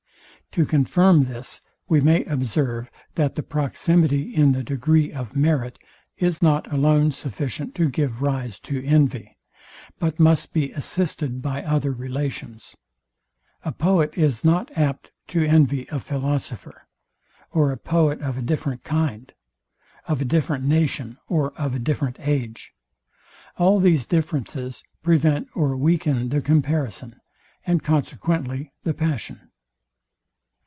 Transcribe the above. To confirm this we may observe, that the proximity in the degree of merit is not alone sufficient to give rise to envy, but must be assisted by other relations. A poet is not apt to envy a philosopher, or a poet of a different kind, of a different nation, or of a different age. All these differences prevent or weaken the comparison, and consequently the passion.